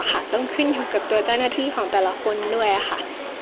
ต้องขึ้นอยู่กับตัวเจ้าหน้าที่ของแต่ละคนด้วยค่ะ